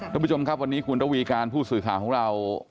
ท่านผู้ชมครับวันนี้คุณระวีการผู้สื่อข่าวของเรา